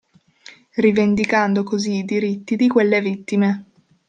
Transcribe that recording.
Rivendicando così i diritti di quelle vittime.